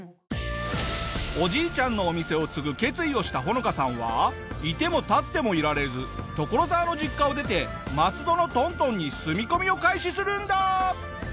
おじいちゃんのお店を継ぐ決意をしたホノカさんはいても立ってもいられず所沢の実家を出て松戸の東東に住み込みを開始するんだ！